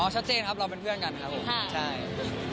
ชัดเจนครับเราเป็นเพื่อนกันครับผมใช่